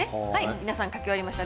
皆さん、書き終わりました。